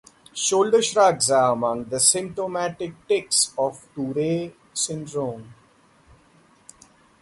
Shoulder shrugs are among the symptomatic tics of Tourette syndrome.